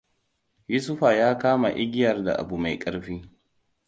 Yusufa ya kama igiyar da abu mai ƙarfi.